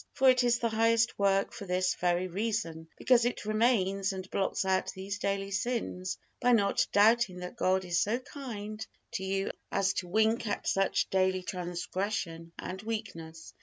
For it is the highest work for this very reason, because it remains and blots out these daily sins by not doubting that God is so kind to you as to wink at such daily transgression and weakness.